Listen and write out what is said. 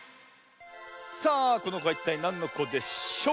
さあこのこはいったいなんのこでしょう？